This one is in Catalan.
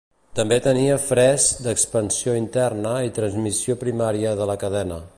També tenia fres d"expansió interna i transmissió primària de la cadena.